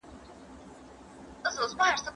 دا درسونه له هغه مهم دي!!